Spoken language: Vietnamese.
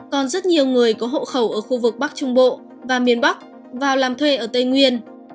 còn rất nhiều người có hộ khẩu ở khu vực bắc trung bộ và miền bắc vào làm thuê ở tây nguyên